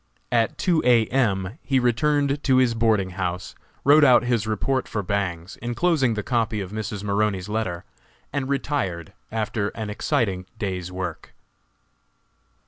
At two A. M. he returned to his boarding house, wrote out his report for Bangs, enclosing the copy of Mrs. Maroney's letter, and retired after an exciting day's work.